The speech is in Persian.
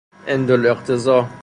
عند الاقتضا